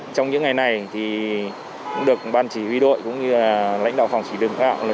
trong những ngày này thì cũng được ban chỉ huy đội cũng như là lãnh đạo phòng chỉ huy đội